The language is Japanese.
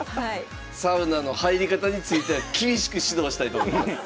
サウナの入り方については厳しく指導したいと思います。